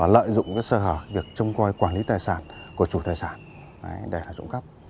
lợi dụng sơ hở việc trông coi quản lý tài sản của chủ tài sản để trộm cắp